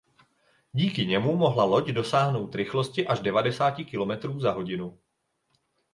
Díky němu mohla loď dosáhnout rychlosti až devadesát kilometrů za hodinu.